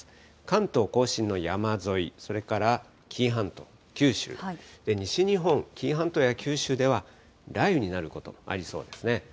関東甲信の山沿い、それから紀伊半島、九州、西日本、紀伊半島や九州では、雷雨になることもありそうですね。